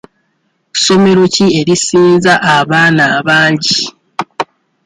Ssomero ki erisinza abaana abangi?